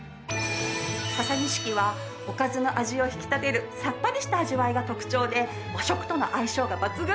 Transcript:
ササニシキはおかずの味を引き立てるさっぱりした味わいが特長で和食との相性が抜群！